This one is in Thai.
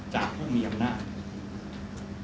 จากผู้มีอำนาจ